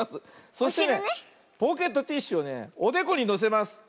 そしてねポケットティッシュをねおでこにのせます。